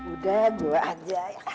udah gue aja ya